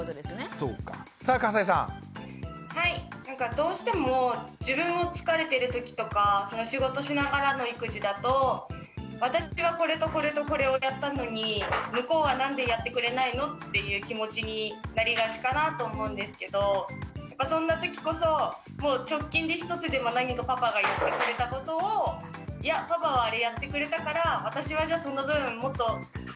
どうしても自分も疲れてるときとか仕事しながらの育児だと「私はこれとこれとこれをやったのに向こうはなんでやってくれないの？」っていう気持ちになりがちかなと思うんですけどそんなときこそもう直近で１つでも何かパパがやってくれたことをマインドリセットというやつですよね。